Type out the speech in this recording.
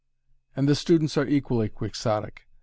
And the students are equally quixotic.